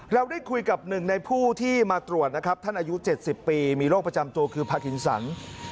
เราได้คุยกับ๑ในผู้ที่มาตรวจนะครับ